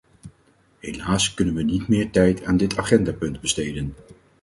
Helaas kunnen we niet meer tijd aan dit agendapunt besteden.